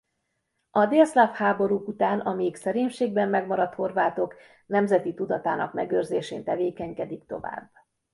A délszláv háborúk után a még Szerémségben megmaradt horvátok nemzeti tudatának megőrzésén tevékenykedik tovább.